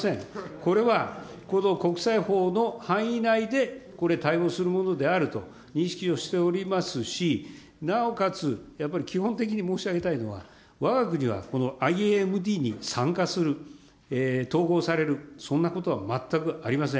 これはこの国際法の範囲内で、これ、対応するものであると、認識をしておりますし、なおかつ、やっぱり基本的に申し上げたいのは、わが国はこのＩＡＭＤに参加する、統合される、そんなことは全くありません。